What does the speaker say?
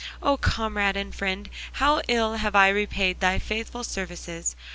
O comrade and friend, how ill have I repaid thy faithful services!